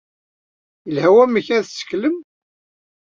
Yelha wamek ay tessaklem?